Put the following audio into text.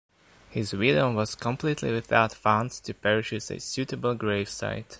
His widow was completely without funds to purchase a suitable gravesite.